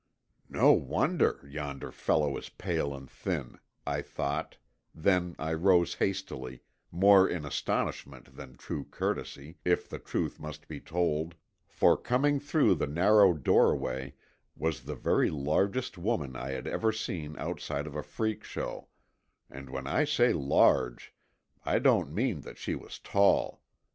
"No wonder yonder fellow is pale and thin," I thought, then I rose hastily, more in astonishment than true courtesy, if the truth must be told, for coming through the narrow doorway was the very largest woman I had ever seen outside of a freak show, and when I say large, I don't mean that she was tall.